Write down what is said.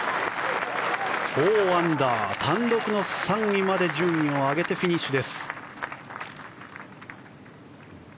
４アンダー、単独の３位まで順位を上げてフィニッシュです。